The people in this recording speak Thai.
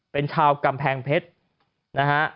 เป็นชาวกำแพงเพชร